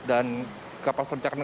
dan kapal selam ini dibuat